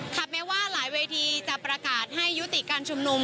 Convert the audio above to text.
แม้ว่าหลายเวทีจะประกาศให้ยุติการชุมนุม